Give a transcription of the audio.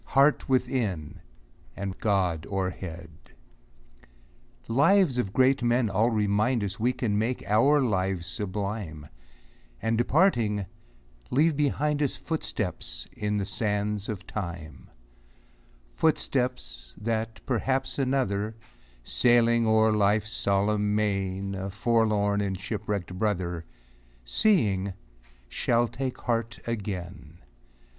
Heart within, and God o'erhead ! A PSALM OF LIFE. Lives of great men all remind us We can make our lives sublime, And, departing, leave behind us Footsteps on the sands of time ; Footsteps, that perhaps another, Sailing o'er life's solemn main, A forlorn and shipwrecked brother, Seeing, shall take heart again.